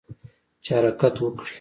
چې حرکت وکړي.